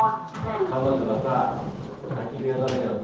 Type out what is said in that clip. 彼女がさ空き部屋だらけだった